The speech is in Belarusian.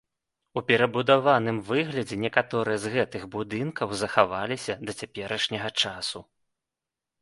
У перабудаваным выглядзе некаторыя з гэтых будынкаў захаваліся да цяперашняга часу.